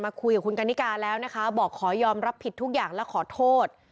คุยกับคุณกันนิกาแล้วนะคะบอกขอยอมรับผิดทุกอย่างและขอโทษ